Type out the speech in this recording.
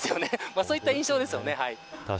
そういった印象です。